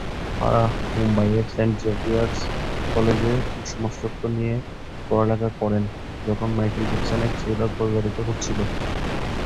ফারাহ মুম্বাইয়ের Saint Xavier's কলেজে সমাজতত্ত্ব নিয়ে পড়ালেখা করেন যখন মাইকেল জ্যাকসনের থ্রিলার প্রচারিত হচ্ছিল।